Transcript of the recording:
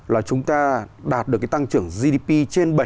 là chúng ta đạt được cái tăng trưởng gdp trên bảy mươi